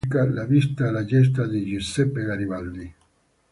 Nello stesso anno pubblica "La vita e le gesta di Giuseppe Garibaldi.